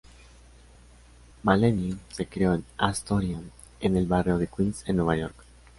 Melanie se crió en Astoria, en el barrio de Queens en Nueva York.